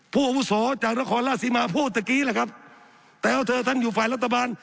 อาวุโสจากนครราชสีมาพูดเมื่อกี้แหละครับแต่ว่าเธอท่านอยู่ฝ่ายรัฐบาล